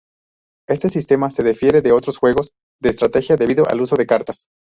Este sistema se difiere de otros juegos de estrategia debido al uso de cartas.